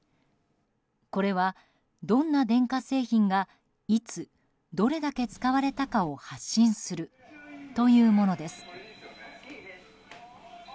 これはどんな電化製品がいつ、どれだけ使われたかを発信するというものです。